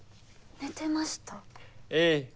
ええ。